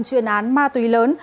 chuyên án ma túy lớn